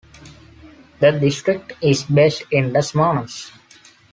The district is based in Des Moines.